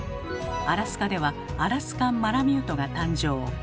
アラスカではアラスカン・マラミュートが誕生。